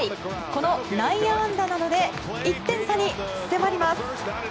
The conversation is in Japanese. この内野安打などで１点差に迫ります。